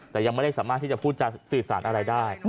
แต่ยังไม่ได้สามารถที่จะพูดจะสื่อสารอะไรได้